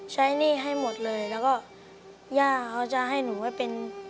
หนี้ให้หมดเลยแล้วก็ย่าเขาจะให้หนูไว้เป็น